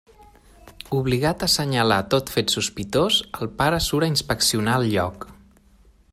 Obligat a assenyalar tot fet sospitós, el pare surt a inspeccionar el lloc.